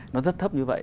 nó rất thấp như vậy